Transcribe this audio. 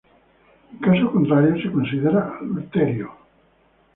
En caso contrario se considera adulterio.